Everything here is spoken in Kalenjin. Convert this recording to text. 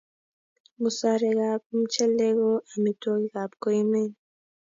musarekap mchelek ko amitwogikap koimen